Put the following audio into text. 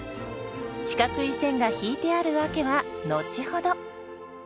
四角い線が引いてある訳は後ほど。